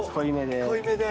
濃いめで。